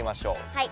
はい。